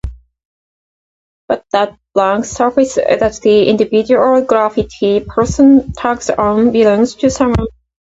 But that blank surface that the individual graffiti person tags on, belongs to someone.